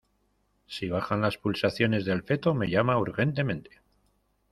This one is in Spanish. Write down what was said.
si bajan las pulsaciones del feto, me llama urgentemente.